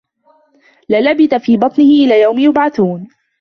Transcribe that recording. لَلَبِثَ في بَطنِهِ إِلى يَومِ يُبعَثونَ